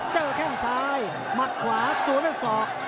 เจ้าแข้งซ้ายหมัดขวาสวนให้สอก